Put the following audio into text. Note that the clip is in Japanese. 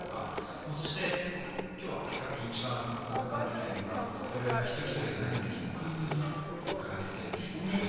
そして今日は結果的に一番向かわなきゃいけないのが我々は一人一人が何をできるのか伺っていきたいです。ですよね。